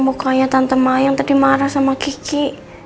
mukanya tante mayang tadi marah sama kici